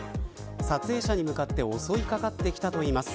撮影者に向かって襲い掛かってきたといいます。